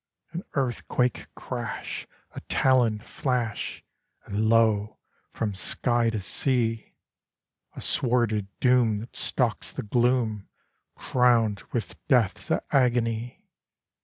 An earthquake crash; a taloned flash And, lo! from sky to sea A sworded Doom that stalks the gloom, Crowned with Death's agony.